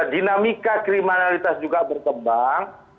dinamika kriminalitas juga berkembang